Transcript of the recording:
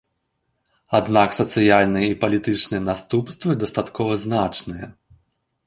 Аднак сацыяльныя і палітычныя наступствы дастаткова значныя.